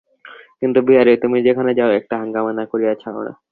কিন্তু বিহারী, তুমি যেখানে যাও একটা হাঙ্গামা না করিয়া ছাড় না।